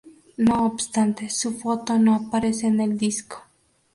No obstante, su foto no aparece en el disco.